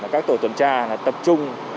các tổ tuần tra tập trung